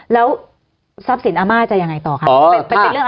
แล้วทรัพย์สินอาม่าจะยังไงต่อคะ